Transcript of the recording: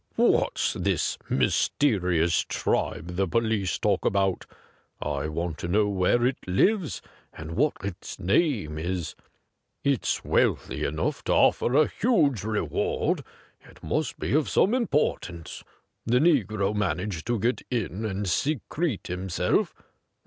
What's this mysterious tribe the police talk about .'' I want to know where it lives and what its name is. It's wealthy enough to offer a huge reward ; it must be of some impor tance. The negro managed to get in and secrete himself.